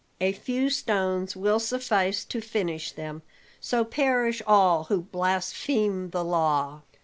A few stones will suffice to finish them. So perish all who blaspheme the law!"